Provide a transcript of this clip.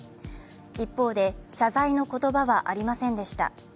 一方で、謝罪の言葉はありませんでした。